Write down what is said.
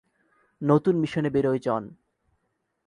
নতুন মিশনে বেরোয় জন।